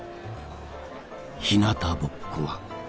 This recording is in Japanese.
ひなたぼっこは。